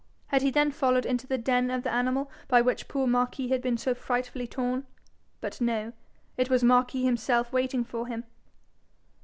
Had he then followed into the den of the animal by which poor Marquis had been so frightfully torn? But no: it was Marquis himself waiting for him!